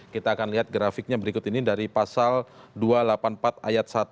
kita akan lihat grafiknya berikut ini dari pasal dua ratus delapan puluh empat ayat satu